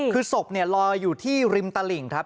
คือศพเนี่ยลอยอยู่ที่ริมตะหลิงครับ